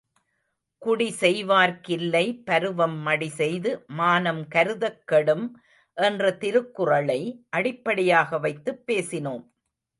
குடிசெய்வார்க் கில்லை பருவம் மடிசெய்து மானம் கருதக் கெடும் என்ற திருக்குறளை அடிப்படையாக வைத்துப் பேசினோம்.